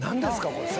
これ。